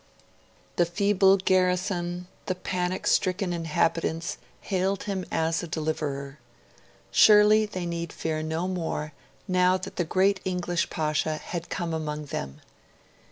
The feeble garrison, the panic stricken inhabitants, hailed him as a deliverer. Surely they need fear no more, now that the great English Pasha had come among them.